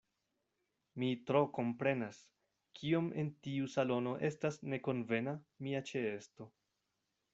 Mi tro komprenas, kiom en tiu salono estas nekonvena mia ĉeesto.